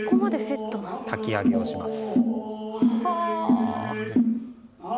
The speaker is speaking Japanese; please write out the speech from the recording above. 焚き上げをします。